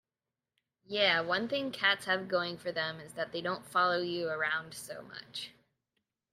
Yeah, one thing cats have going for them is that they don't follow you around so much.